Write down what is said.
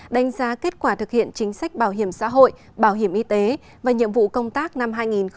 đánh giá kết quả thực hiện chính sách bảo hiểm xã hội bảo hiểm y tế và nhiệm vụ công tác năm hai nghìn hai mươi